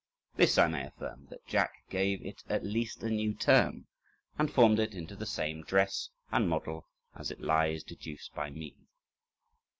This I may affirm, that Jack gave it at least a new turn, and formed it into the same dress and model as it lies deduced by me.